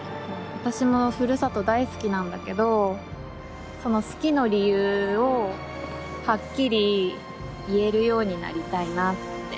私もふるさと大好きなんだけどその好きの理由をはっきり言えるようになりたいなって。